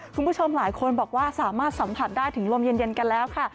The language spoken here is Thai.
คุณผู้ชมหลายคนบอกว่าสามารถสัมผัสได้ถึงลมเย็นกันแล้วค่ะ